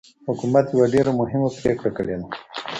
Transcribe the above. حکومت يوه ډېره مهمه پرېکړه کړې ده.